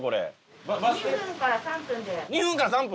２分から３分？